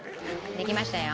できましたよ。